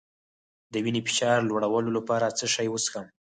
د وینې فشار لوړولو لپاره څه شی وڅښم؟